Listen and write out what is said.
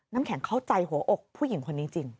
น้ำแข็งเข้าใจหัวอกผู้หญิงคนนี้จริง